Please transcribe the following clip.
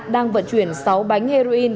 đang vận chuyển sáu bánh heroin